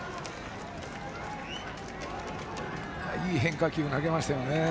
いい変化球を投げましたね。